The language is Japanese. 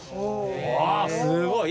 あすごい！